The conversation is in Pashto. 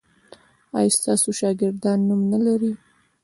ایا ستاسو شاګردان نوم نلري؟